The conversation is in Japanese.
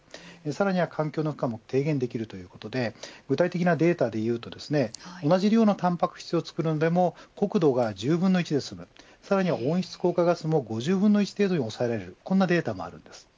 さらに環境負荷も軽減できるということで具体的なデータでいうと同じ量のたんぱく質を作るのでも国土が１０分の１ですねさらに温室効果ガスも５０分の１程度で抑えられるというデータもあります。